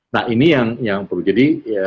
nah ini yang perlu jadi